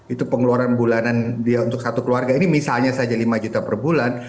itu pengeluaran bulanan dia untuk satu keluarga ini misalnya saja lima juta per bulan